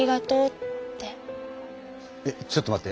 えちょっと待って。